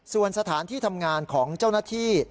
ส่วนสถานที่ทำงานของเจ้าหน้าที่